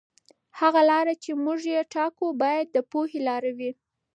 هغه لاره چې موږ یې ټاکو باید د پوهې لاره وي.